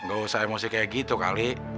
gak usah emosi kayak gitu kali